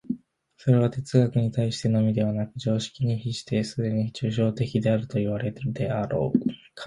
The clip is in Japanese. それは哲学に対してのみでなく、常識に比してすでに抽象的であるといわれるであろう。